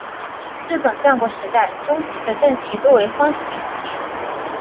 日本战国时代中期的阵旗多为方形旗。